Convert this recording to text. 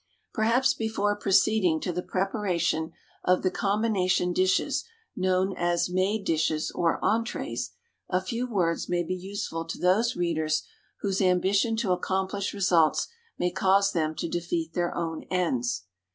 Perhaps before proceeding to the preparation of the combination dishes known as made dishes or entrées, a few words may be useful to those readers whose ambition to accomplish results may cause them to defeat their own ends.